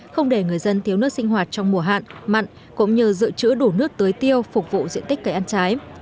không để người dân thiếu nước sinh hoạt trong mùa hạn mặn cũng như dự trữ đủ nước tưới tiêu phục vụ diện tích cây ăn trái